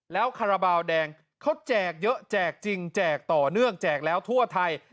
แล้วคาราบาลแดงเขาแจกเยอะแจกจริงแจกต่อเนื่องแจกแล้วทั่วไทย